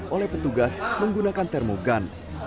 oleh petugas menggunakan termogan